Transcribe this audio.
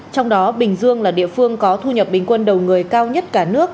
trong đó bình dương là địa phương có thu nhập bình quân đầu người cao nhất cả nước